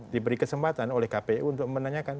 diberi kesempatan oleh kpu untuk menanyakan